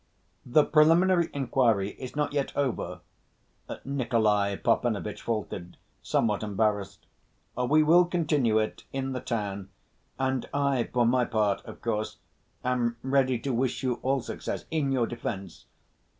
"The preliminary inquiry is not yet over," Nikolay Parfenovitch faltered, somewhat embarrassed. "We will continue it in the town, and I, for my part, of course, am ready to wish you all success ... in your defense....